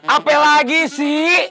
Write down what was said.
apa lagi sih